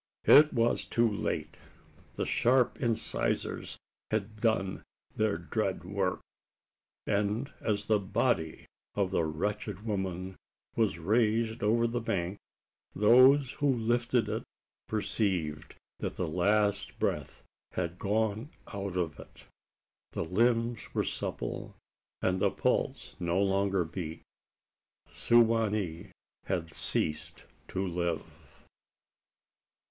It was too late. The sharp incisors had done their dread work; and, as the body of the wretched woman was raised over the bank, those who lifted it perceived that the last breath had gone out of it. The limbs were supple, and the pulse no longer beat. Su wa nee had ceased to live!